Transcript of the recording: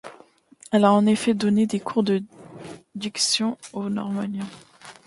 Elle a en effet donné des cours de diction aux normaliens.